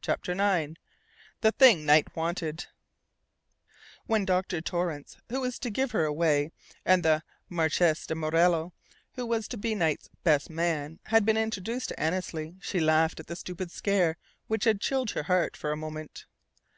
CHAPTER IX THE THING KNIGHT WANTED When Dr. Torrance, who was to give her away, and the Marchese di Morello, who was to be Knight's "best man," had been introduced to Annesley, she laughed at the stupid "scare" which had chilled her heart for a moment.